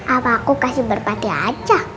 apaku kasih berpati aja